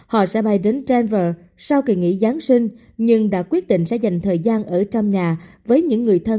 họ sẽ bay đến traner sau kỳ nghỉ giáng sinh nhưng đã quyết định sẽ dành thời gian ở trong nhà với những người thân